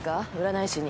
占い師に。